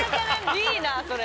いいなそれ。